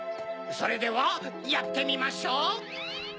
それではやってみましょう。